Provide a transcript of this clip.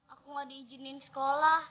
aku gak di ijinkan sekolah